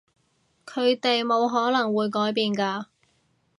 佢哋冇可能會改變㗎